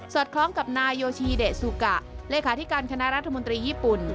คล้องกับนายโยชีเดะซูกะเลขาธิการคณะรัฐมนตรีญี่ปุ่น